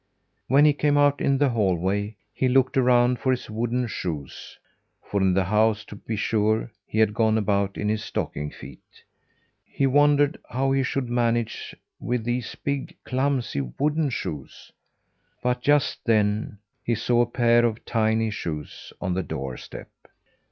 When he came out in the hallway, he looked around for his wooden shoes; for in the house, to be sure, he had gone about in his stocking feet. He wondered how he should manage with these big, clumsy wooden shoes; but just then, he saw a pair of tiny shoes on the doorstep.